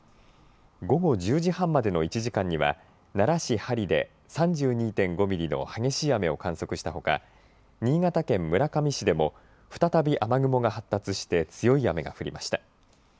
午後１０時半までの１時間には奈良市針で３２．５ミリの激しい雨を観測したほか新潟県村上市も再び雨雲が発達して強い雨が降りました。